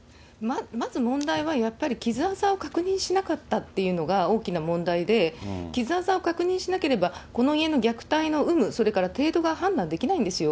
まず問題は、やっぱり傷あざを確認しなかったっていうのが大きな問題で、傷あざを確認しなければ、この家の虐待の有無、それから程度が判断できないんですよ。